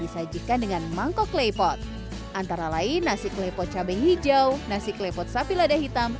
disajikan dengan mangkok klepot antara lain nasi klepot cabai hijau nasi klepot sapi lada hitam